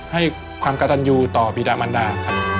ให้ความกระตันยูต่อบีดามันดาครับ